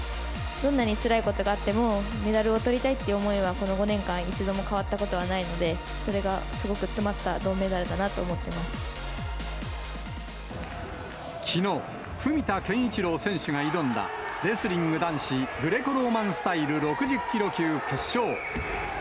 どんなにつらいことがあっても、メダルをとりたいっていう思いは、この５年間、一度も変わったことはないので、それがすごく詰まった銅メダルだきのう、文田健一郎選手が挑んだ、レスリング男子グレコローマンスタイル６０キロ級決勝。